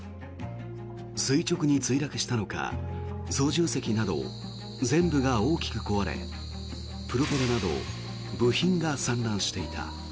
垂直に墜落したのか操縦席など前部が大きく壊れプロペラなど部品が散乱していた。